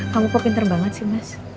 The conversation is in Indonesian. kamu kok pinter banget sih mas